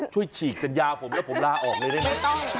ช่วยฉีกสัญญาผมแล้วผมลาออกเลยได้มั้ย